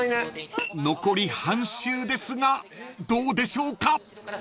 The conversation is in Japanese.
［残り半周ですがどうでしょうか？］